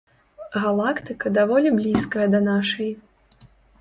Галактыка даволі блізкая да нашай.